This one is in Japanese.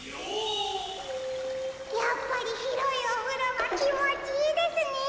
やっぱりひろいおふろはきもちいいですね！